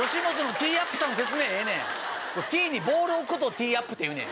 ティーにボールを置くことをティーアップっていうねん。